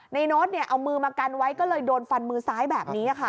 โน้ตเอามือมากันไว้ก็เลยโดนฟันมือซ้ายแบบนี้ค่ะ